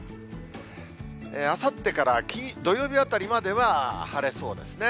あさってから土曜日あたりまでは晴れそうですね。